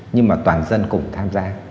nhưng mà toàn dân cùng tham gia